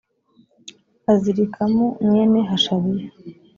azirikamu mwene hashabiya